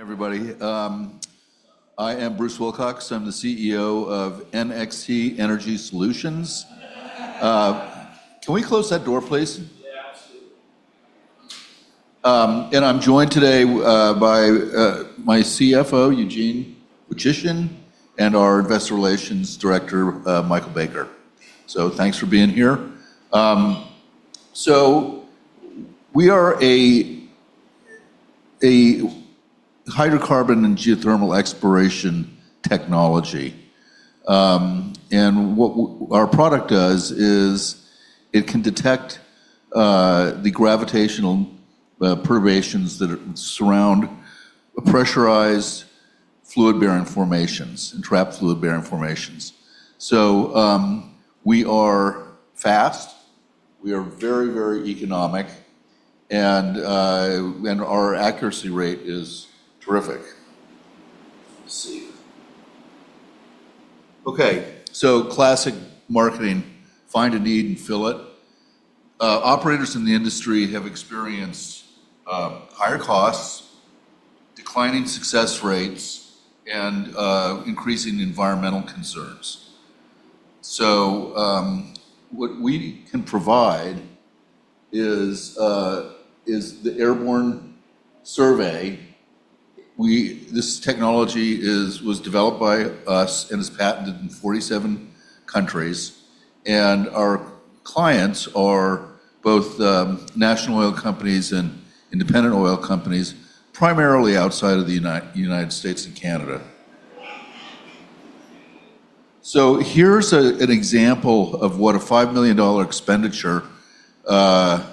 Everybody, I am Bruce Wilcox. I'm the CEO of NXT Energy Solutions. Can we close that door, please? I'm joined today by my CFO, Eugene Woychyshyn, and our Investor Relations Director, Michael Baker. Thank you for being here. We are a hydrocarbon and geothermal exploration technology. What our product does is it can detect the gravitational perturbations that surround pressurized fluid-bearing formations and trapped fluid-bearing formations. We are fast, very, very economic, and our accuracy rate is terrific. OK, classic marketing: find a need and fill it. Operators in the industry have experienced higher costs, declining success rates, and increasing environmental concerns. What we can provide is the airborne survey. This technology was developed by us and is patented in 47 countries. Our clients are both national oil companies and independent oil companies, primarily outside of the U.S. and Canada. Here's an example of what a $5 million expenditure on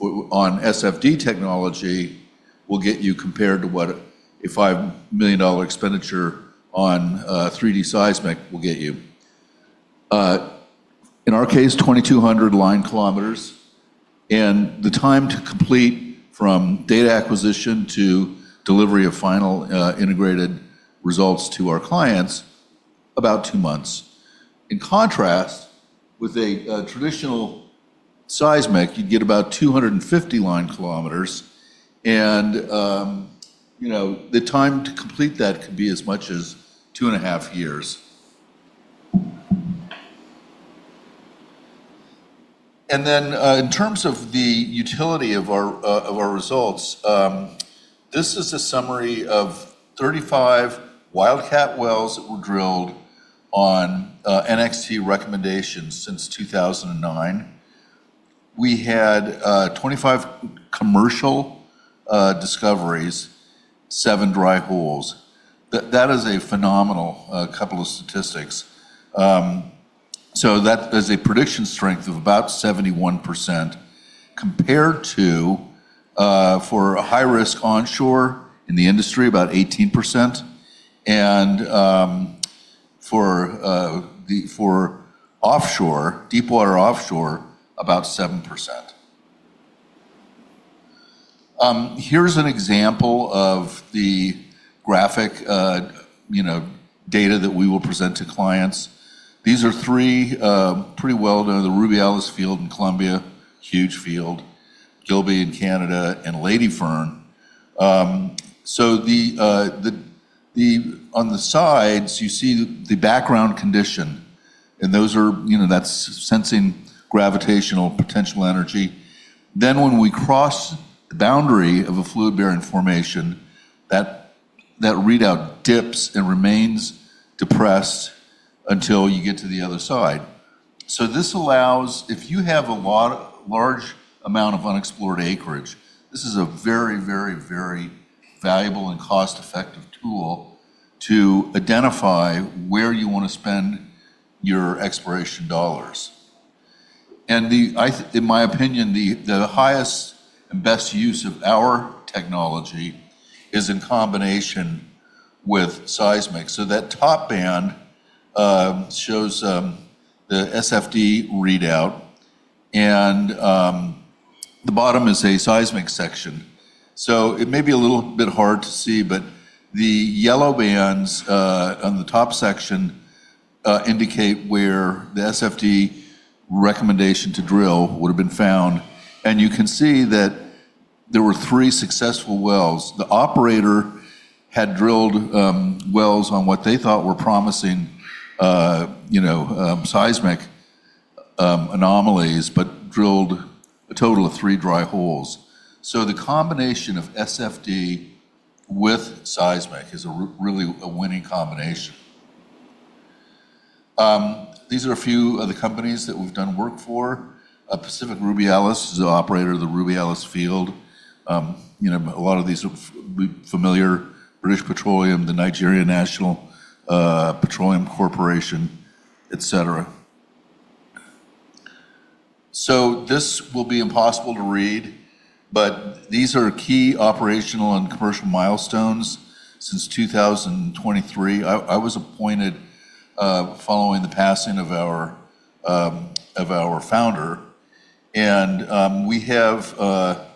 SFD® survey system technology will get you compared to what a $5 million expenditure on 3D seismic methods will get you. In our case, 2,200 line kilometers. The time to complete, from data acquisition to delivery of final integrated results to our clients, is about two months. In contrast, with traditional seismic, you'd get about 250 line kilometers. The time to complete that could be as much as two and a half years. In terms of the utility of our results, this is a summary of 35 wildcat wells that were drilled on NXT Energy Solutions Inc. recommendations since 2009. We had 25 commercial discoveries, seven dry holes. That is a phenomenal couple of statistics. That is a prediction strength of about 71% compared to, for high-risk onshore in the industry, about 18%. For offshore, deepwater offshore, about 7%. Here's an example of the graphic data that we will present to clients. These are three pretty well known: the Rubiales field in Colombia, huge field; Gilby in Canada; and Ladyfern. On the sides, you see the background condition. That's sensing gravitational potential energy. When we cross the boundary of a fluid-bearing formation, that readout dips and remains depressed until you get to the other side. If you have a large amount of unexplored acreage, this is a very, very, very valuable and cost-effective tool to identify where you want to spend your exploration dollars. In my opinion, the highest and best use of our technology is in combination with seismic. That top band shows the SFD® survey system readout. The bottom is a seismic section. It may be a little bit hard to see, but the yellow bands on the top section indicate where the SFD® survey system recommendation to drill would have been found. You can see that there were three successful wells. The operator had drilled wells on what they thought were promising seismic anomalies, but drilled a total of three dry holes. The combination of SFD® survey system with seismic is really a winning combination. These are a few of the companies that we've done work for. Pacific Rubiales is the operator of the Rubiales field. A lot of these are familiar: British Petroleum, the Nigeria National Petroleum Corporation, et cetera. This will be impossible to read, but these are key operational and commercial milestones since 2023. I was appointed following the passing of our founder. We have, I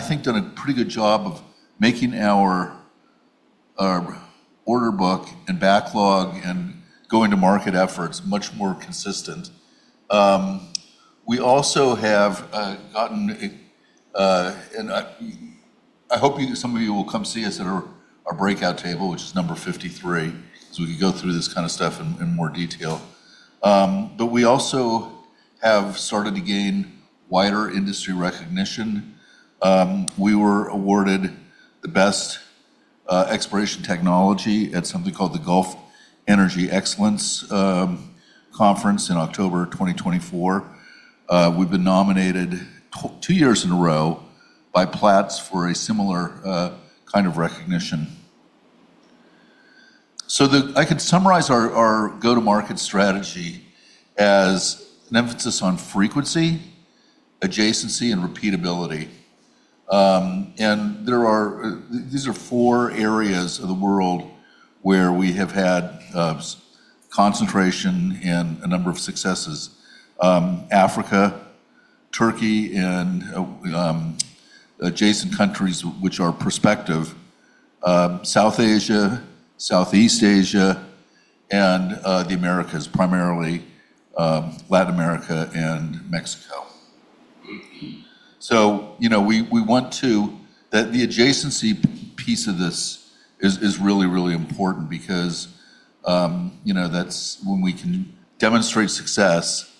think, done a pretty good job of making our order book and backlog and going to market efforts much more consistent. We also have gotten, and I hope some of you will come see us at our breakout table, which is number 53, so we can go through this kind of stuff in more detail. We also have started to gain wider industry recognition. We were awarded the best exploration technology at something called the Gulf Energy Excellence Conference in October 2024. We've been nominated two years in a row by Platts for a similar kind of recognition. I could summarize our go-to-market strategy as an emphasis on frequency, adjacency, and repeatability. These are four areas of the world where we have had concentration and a number of successes: Africa, Turkey and adjacent countries, which are prospective, South Asia, Southeast Asia, and the Americas, primarily Latin America and Mexico. We want to—that the adjacency piece of this is really, really important because that's when we can demonstrate success.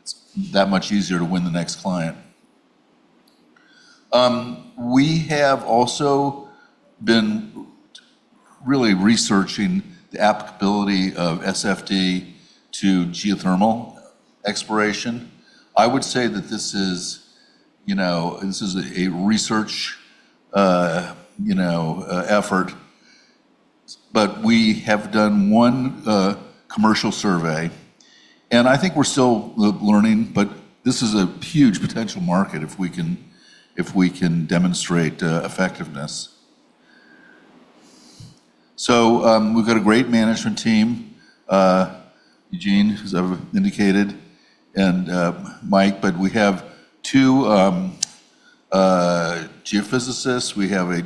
It's that much easier to win the next client. We have also been really researching the applicability of SFD® to geothermal exploration. I would say that this is a research effort. We have done one commercial survey. I think we're still learning, but this is a huge potential market if we can demonstrate effectiveness. We've got a great management team, Eugene, as I've indicated, and Mike. We have two geophysicists. We have a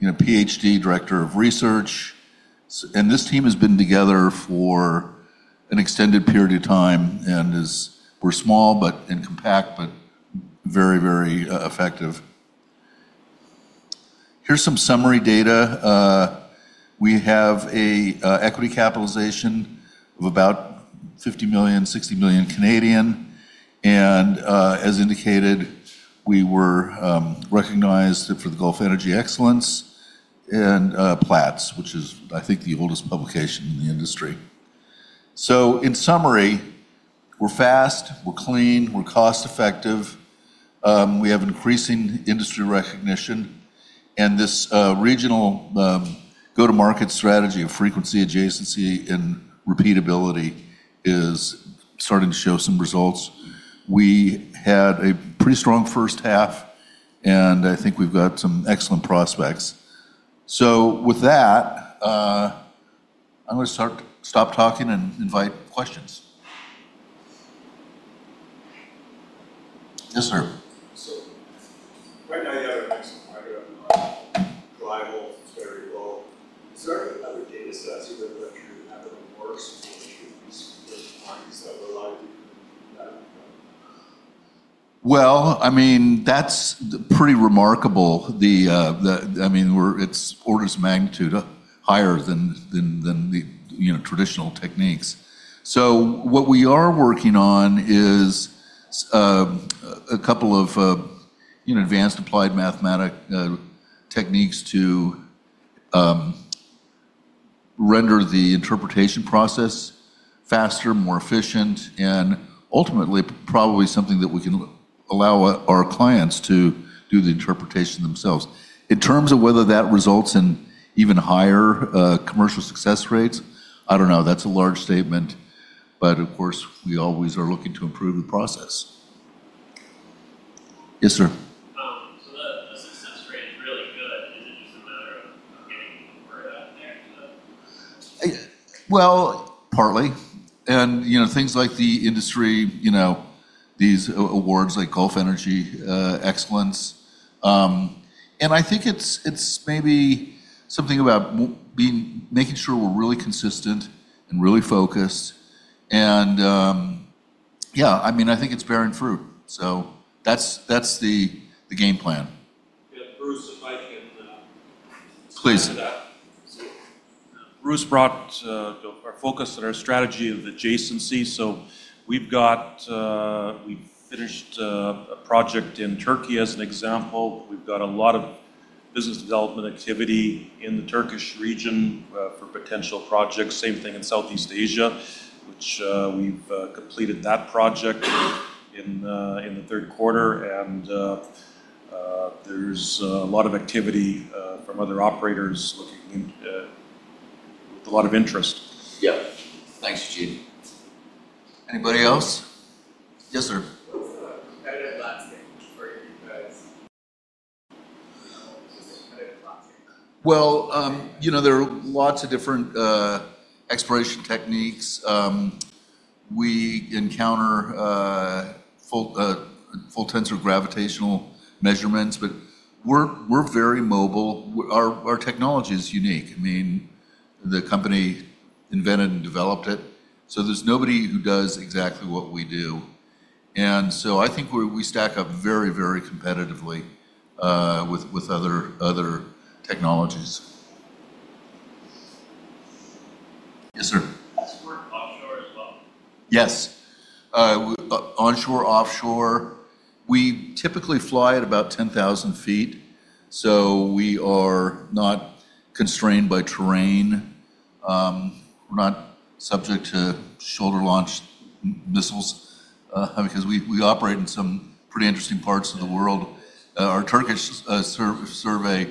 PhD Director of Research. This team has been together for an extended period of time. We're small and compact, but very, very effective. Here's some summary data. We have an equity capitalization of about $50 million, $60 million Canadian. As indicated, we were recognized for the Gulf Energy Excellence and Platts, which is, I think, the oldest publication in the industry. In summary, we're fast, we're clean, we're cost-effective, we have increasing industry recognition, and this regional go-to-market strategy of frequency, adjacency, and repeatability is starting to show some results. We had a pretty strong first half. I think we've got some excellent prospects. With that, I'm going to stop talking and invite questions. Yes, sir. You have an excellent market right now. Dry holes is very low. Is there other data sets you've been looking at that are more exposed to these markets that rely on that? That's pretty remarkable. I mean, it's orders of magnitude higher than the traditional techniques. What we are working on is a couple of advanced applied mathematical techniques to render the interpretation process faster, more efficient, and ultimately, probably something that we can allow our clients to do the interpretation themselves. In terms of whether that results in even higher commercial success rates, I don't know. That's a large statement. Of course, we always are looking to improve the process. Yes, sir. The success rate is really good. Is it just a matter of getting more data out there? Partly, things like the industry, these awards like Gulf Energy Excellence. I think it's maybe something about making sure we're really consistent and really focused. Yeah, I mean, I think it's bearing fruit. That's the game plan. Yeah, Bruce and Michael can answer that, please. Bruce brought our focus and our strategy of adjacency. We've finished a project in Turkey, as an example. We've got a lot of business development activity in the Turkish region for potential projects. The same thing in Southeast Asia, which we've completed that project in the third quarter. There's a lot of activity from other operators looking with a lot of interest. Yeah, thanks, Eugene. Anybody else? Yes, sir. What's the competitive landscape for you guys? What is the competitive landscape then? There are lots of different exploration techniques. We encounter full tensor gravitational measurements, but we're very mobile. Our technology is unique. I mean, the company invented and developed it. There's nobody who does exactly what we do. I think we stack up very, very competitively with other technologies. Yes, sir. Does this work offshore as well? Yes. Onshore, offshore. We typically fly at about 10,000 feet, so we are not constrained by terrain. We're not subject to shoulder-launched missiles because we operate in some pretty interesting parts of the world. Our Turkish survey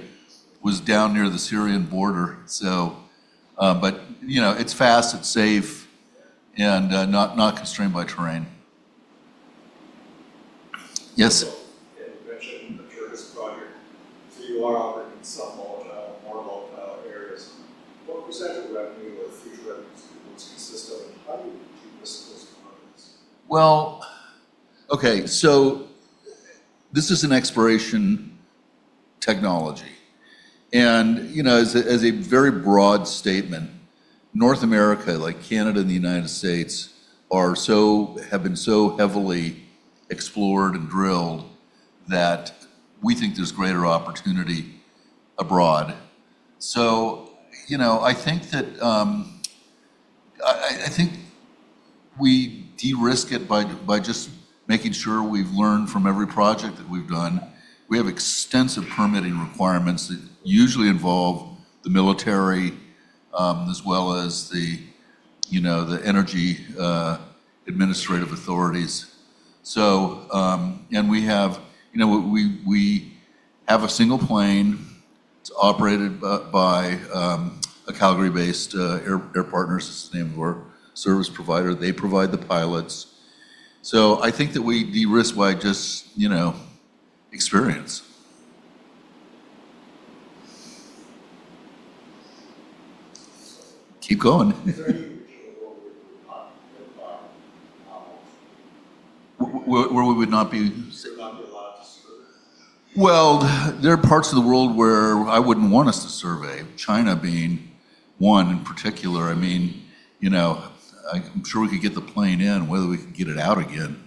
was down near the Syrian border. It's fast, it's safe, and not constrained by terrain. Yes. You mentioned the Turkish project. You are operating in some more volatile areas. What % of your revenue or future revenues do those consist of? How do you do this in those environments? This is an exploration technology. As a very broad statement, North America, like Canada and the United States, have been so heavily explored and drilled that we think there's greater opportunity abroad. I think that we de-risk it by just making sure we've learned from every project that we've done. We have extensive permitting requirements that usually involve the military as well as the energy administrative authorities. We have a single plane. It's operated by a Calgary-based air partner. That's the name of our service provider. They provide the pilots. I think that we de-risk by just experience. Keep going. Is there any region in the world where you would not survey? Where would we not be? You would say not be allowed to survey? There are parts of the world where I wouldn't want us to survey, China being one in particular. I mean, I'm sure we could get the plane in, whether we could get it out again.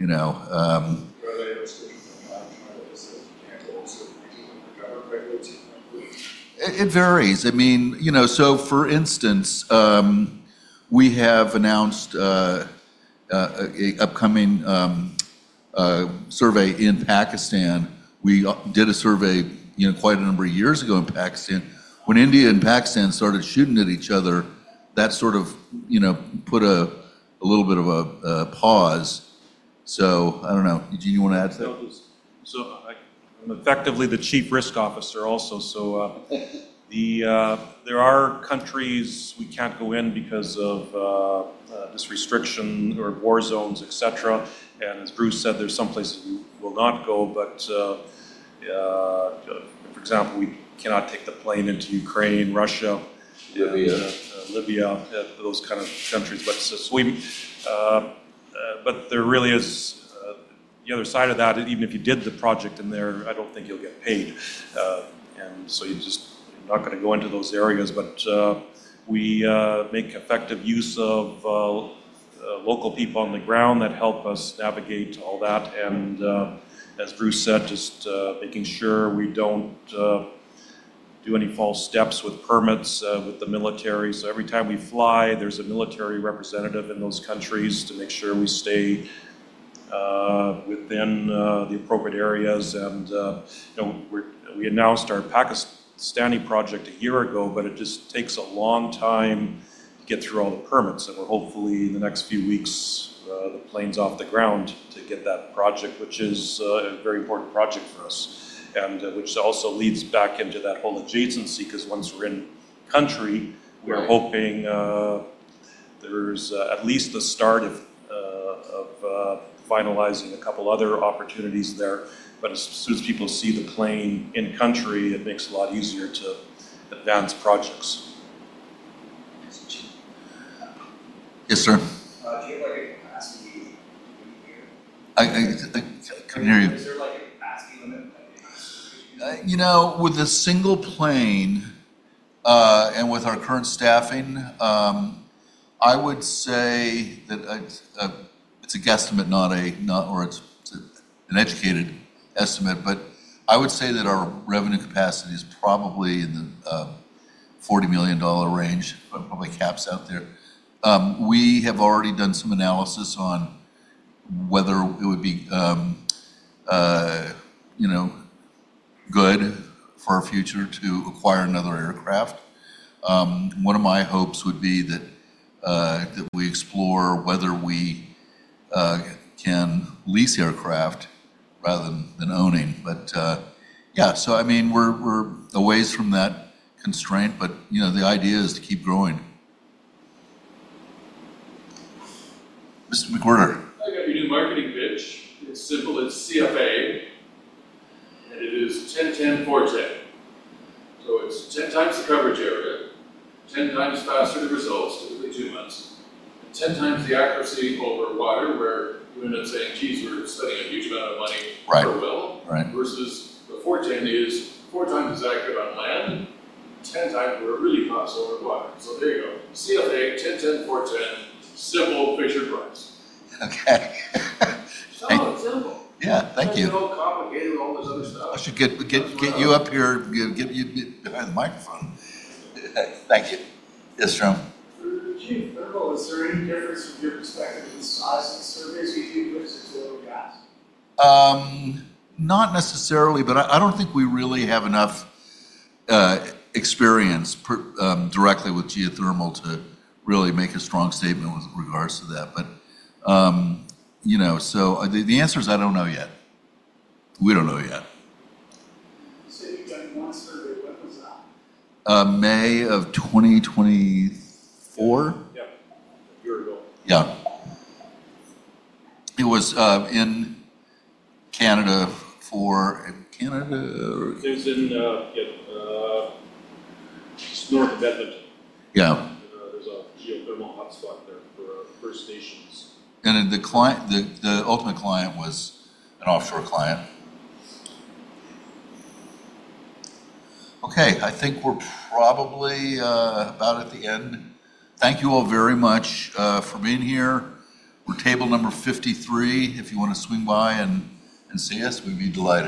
Are there instances in time where there's a handful of surveyors under government regulations? It varies. For instance, we have announced an upcoming survey in Pakistan. We did a survey quite a number of years ago in Pakistan. When India and Pakistan started shooting at each other, that put a little bit of a pause. I don't know. Eugene, you want to add to that? I am effectively the Chief Risk Officer also. There are countries we can't go in because of this restriction or war zones, et cetera. As Bruce said, there are some places we will not go. For example, we cannot take the plane into Ukraine, Russia, Libya, those kinds of countries. There really is the other side of that. Even if you did the project in there, I don't think you'll get paid, so you're just not going to go into those areas. We make effective use of local people on the ground that help us navigate all that. As Bruce said, just making sure we don't do any false steps with permits with the military. Every time we fly, there's a military representative in those countries to make sure we stay within the appropriate areas. We announced our Pakistan project a year ago, but it just takes a long time to get through all the permits. We're hopefully, in the next few weeks, the plane's off the ground to get that project, which is a very important project for us, and which also leads back into that whole adjacency. Once we're in country, we're hoping there's at least the start of finalizing a couple of other opportunities there. As soon as people see the plane in country, it makes it a lot easier to advance projects. Yes, sir. Do you have a capacity limit here? I couldn't hear you. Is there like a capacity limit? With a single plane and with our current staffing, I would say that it's a guesstimate, or it's an educated estimate. I would say that our revenue capacity is probably in the $40 million range, probably caps out there. We have already done some analysis on whether it would be good for our future to acquire another aircraft. One of my hopes would be that we explore whether we can lease aircraft rather than owning. Yeah, we're a ways from that constraint. The idea is to keep growing. Mr. McWhorter. I got your new marketing pitch. It's simple. It's CFA. It is 10-10. It's 10 times the coverage area, 10 times faster to results, typically two months, and 10 times the accuracy over water, where you end up saying, geez, we're spending a huge amount of money per well. Right, right. Versus the 4-10 is four times as accurate on land and 10 times where it really pops over water. There you go. CFA 10-10-4-10, simple Fisher Price. OK. So, simple. Thank you. Don't get all complicated with all this other stuff. I should get you up here, get you behind the microphone. Thank you. Yes, sir. Eugene, first of all, is there any difference from your perspective of the size of the surveys? Do you think it's just a little gap? Not necessarily. I don't think we really have enough experience directly with geothermal to really make a strong statement with regards to that. The answer is I don't know yet. We don't know yet. You've done one survey. When was that? May of 2024. Yeah, a year ago. Yeah, it was in Canada or? It was just north of Edmonton. Yeah. There's a geothermal hotspot there for First Nations. The ultimate client was an offshore client. I think we're probably about at the end. Thank you all very much for being here. We're table number 53. If you want to swing by and see us, we'd be delighted.